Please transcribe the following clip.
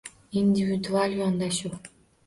Individual yondashuv